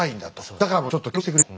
だからもうちょっと協力してくれと。